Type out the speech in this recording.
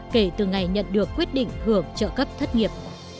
kể từ ngày nhận được quyết định hưởng trợ cấp thất nghiệp